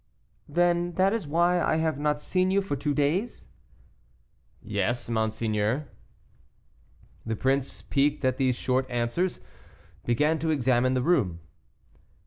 "Then that is why I have not seen you for two days?" "Yes, monseigneur." The prince, piqued at these short answers, began to examine the room.